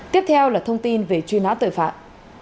tiếp theo là thông tin về truy nã tội phạm